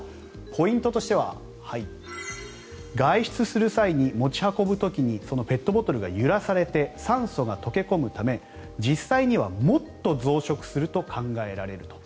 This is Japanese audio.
ポイントとしては外出する際に持ち運ぶ時にペットボトルが揺らされて酸素が溶け込むため実際にはもっと増殖すると考えられると。